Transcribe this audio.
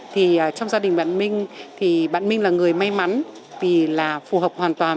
thì trong gia đình bạn minh thì bạn minh là người may mắn thì là phù hợp hoàn toàn